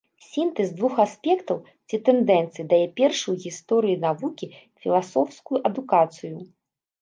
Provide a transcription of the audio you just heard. Сінтэз двух аспектаў ці тэндэнцый дае першую ў гісторыі навукі філасофскую адукацыю.